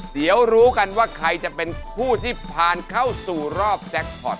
เดี๋ยวรู้กันว่าใครจะเป็นผู้ที่ผ่านเข้าสู่รอบแจ็คพอร์ต